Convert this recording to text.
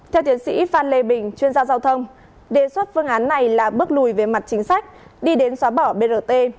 theo tiến sĩ phan lê bình chuyên gia giao thông đề xuất phương án này là bước lùi về mặt chính sách đi đến xóa bỏ brt một